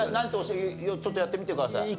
ちょっとやってみてください。